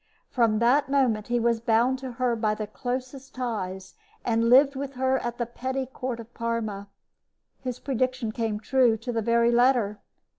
From that moment he was bound to her by the closest ties and lived with her at the petty court of Parma. His prediction came true to the very letter.